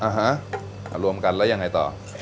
ฮะรวมกันแล้วยังไงต่อ